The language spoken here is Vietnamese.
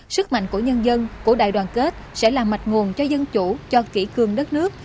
sức mạnh của nhân dân của đại đoàn kết sẽ là mạch nguồn cho dân chủ cho kỷ cương đất nước